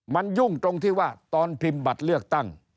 มันยุ่งตรงที่ว่าตอนพิมพ์บัตรเลือกตั้ง